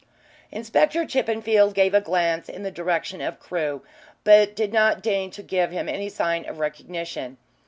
Inspector Chippenfield gave a glance in the direction of Crewe, but did not deign to give any sign of recognition.